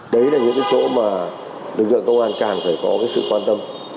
đấy là những chỗ mà lực lượng công an càng phải có sự quan tâm